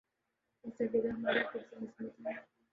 اس کا عقیدہ ہمارے عقیدے سے مضبوط ہو